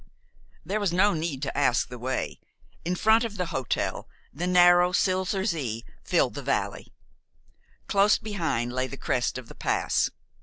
There was no need to ask the way. In front of the hotel the narrow Silser See filled the valley. Close behind lay the crest of the pass.